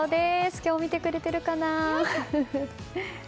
今日も見てくれてるかな？